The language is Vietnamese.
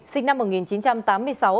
sinh năm một nghìn chín trăm tám mươi sáu